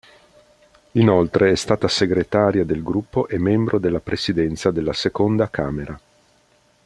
Inoltre, è stata segretaria del gruppo e membro della presidenza della Seconda Camera.